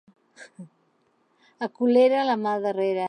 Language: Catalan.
A Colera, la mà al darrere.